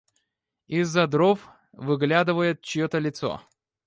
Из-за дров выглядывает чьё-то лицо.